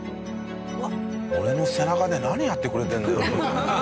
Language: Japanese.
「俺の背中で何やってくれてんだよ？これ」。